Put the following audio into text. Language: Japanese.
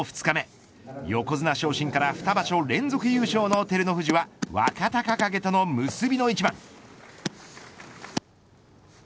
２日目横綱昇進から２場所連続優勝の照ノ富士は若隆景との結びの一番。